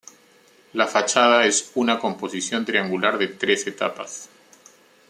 La fachada es una composición triangular de tres etapas.